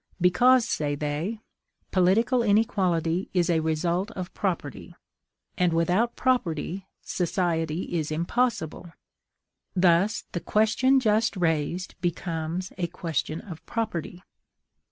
Because, say they, political inequality is a result of property; and without property society is impossible: thus the question just raised becomes a question of property.